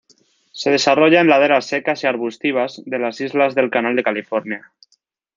Se desarrolla en laderas secas y arbustivas de las islas del canal de California.